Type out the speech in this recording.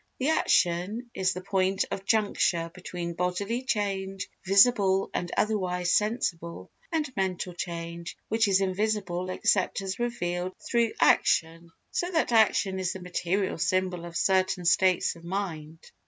The action is the point of juncture between bodily change, visible and otherwise sensible, and mental change which is invisible except as revealed through action. So that action is the material symbol of certain states of mind.